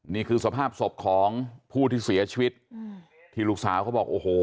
นี่คือสภาพศพของผู้ที่เสียชีวิตอืมที่ลูกสาวเขาบอกโอ้โห